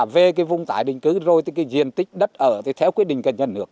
về cái vùng tải định cứ rồi thì cái diện tích đất ở thì theo quyết định cần nhận được